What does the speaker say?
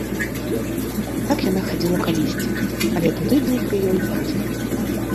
Так яна хадзіла калісьці, але тады быў пры ёй бацька.